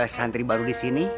santri baru disini